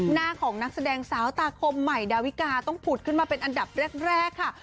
หน้าของนักแสดงสาวตาคมใหม่ดาวิกาต้องผุดขึ้นมาเป็นอันดับแรกค่ะ